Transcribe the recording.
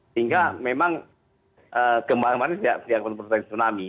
sehingga memang gempa yang mana tidak akan menimbulkan tsunami